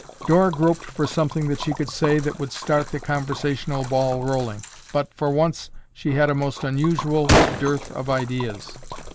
Dora groped for something that she could say that would start the conversational ball rolling, but, for once, she had a most unusual dearth of ideas.